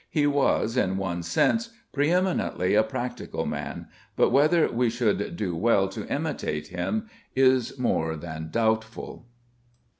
He was, in one sense, pre eminently a practical man, but whether we should do well to imitate him is more than doubtful.